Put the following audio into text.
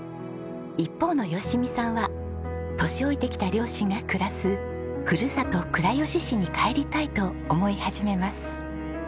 一方の淑美さんは年老いてきた両親が暮らすふるさと倉吉市に帰りたいと思い始めます。